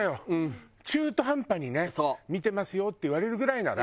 中途半端にね見てますよって言われるぐらいなら。